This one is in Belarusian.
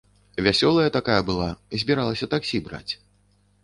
Вясёлая такая была, збіралася таксі браць.